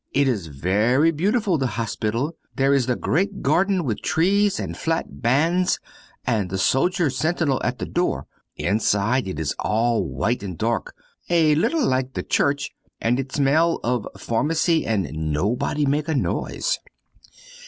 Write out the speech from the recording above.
It is very beautiful, the hospital. There is the great garden with trees and flat bands and the soldier sentinel at the door. Inside it is all white and dark, a little like the church, and it smell of pharmacy and nobody make a noise.